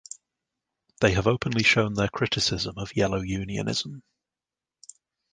They have openly shown their criticism of yellow unionism.